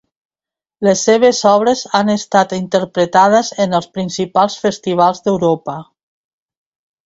Les seves obres han estat interpretades en els principals festivals d'Europa.